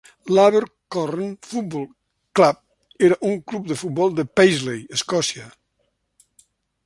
L'Abercorn Football Club era un club de futbol de Paisley, Escòcia.